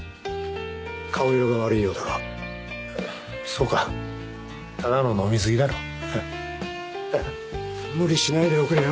顔色が悪いようだがそうかただの飲みすぎだろ無理しないでおくれよ